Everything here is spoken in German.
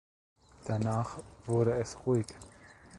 Danach wurde es ruhig.